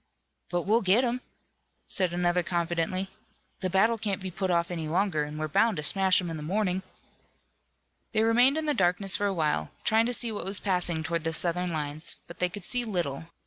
"But we'll get 'em," said another confidently. "The battle can't be put off any longer, and we're bound to smash 'em in the morning." They remained in the darkness for a while, trying to see what was passing toward the Southern lines, but they could see little.